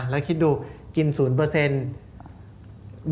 แล้วคิดดูกิน๐๒๕จ้าว